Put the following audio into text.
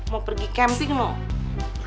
mau pergi camping nuh